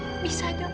kamu bisa menerimanya